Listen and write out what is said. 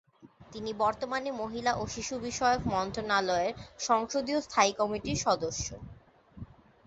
তিনি বর্তমানে মহিলা ও শিশু বিষয়ক মন্ত্রণালয়ের সংসদীয় স্থায়ী কমিটির সদস্য।